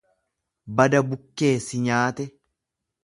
Bada bukkee si nyaate.